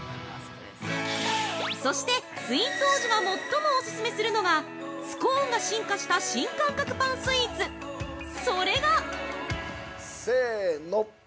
◆そして、スイーツ王子が最もおすすめするのがスコーンが進化した新感覚パンスイーツ、それが◆せの。